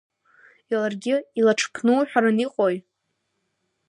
Ларгьы илаҽԥнуҳәаран иҟои!